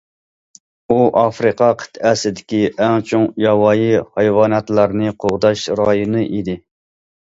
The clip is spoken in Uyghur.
ئۇ ئافرىقا قىتئەسىدىكى ئەڭ چوڭ ياۋايى ھايۋاناتلارنى قوغداش رايونى ئىدى.